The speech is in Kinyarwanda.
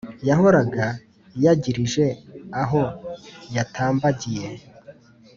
yahoraga yagirije aho yatambagiye,